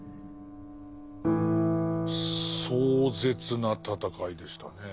壮絶な戦いでしたねえ。